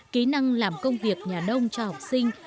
kỹ năng làm công việc nhà nông cho học sinh